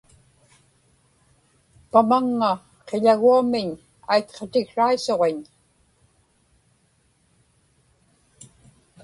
pamaŋŋa qiḷaguamiñ aitqatiksaisuġiñ